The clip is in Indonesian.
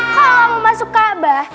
kalau mau masuk kaabah